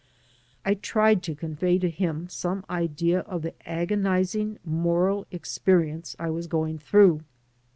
I tried to convey to him some idea of the agonizing moral ex perience I was going through.